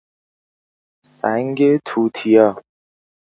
سنگ توتیا